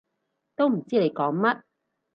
都唔知你講乜